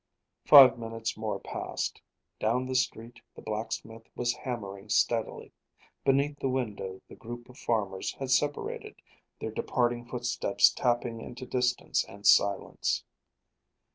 Five minutes more passed. Down the street the blacksmith was hammering steadily. Beneath the window the group of farmers had separated; their departing footsteps tapping into distance and silence.